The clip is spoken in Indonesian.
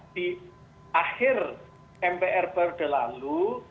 di akhir mpr periode lalu